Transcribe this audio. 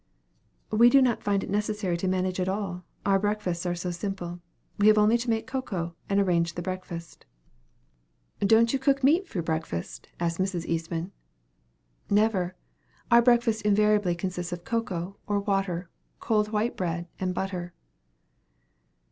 "We do not find it necessary to manage at all, our breakfasts are so simple. We have only to make cocoa, and arrange the breakfast." "Don't you cook meat for breakfast?" asked Mrs. Eastman. "Never; our breakfast invariably consists of cocoa, or water, cold white bread and butter."